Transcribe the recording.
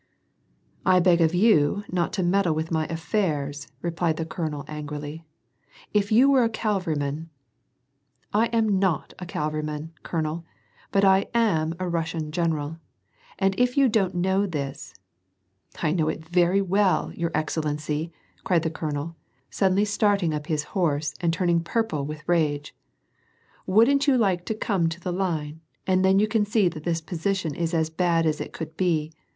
" I beg of you not to meddle with my affairs," replied the colonel, angrily, "If you were a cavalryman "—" I am not a cavalryman, colonel, but I am a Russian general. and if you don't know this "—" I know it very well, your excellency," cried the colonel, sud denly starting up his horse and turning pui*ple with rage. " Wouldn't you like to come to the line, and then you can see that this [)osition is as bad as it could be.